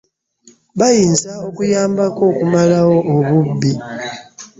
Bayinza okuyambako okumalawo obubbi.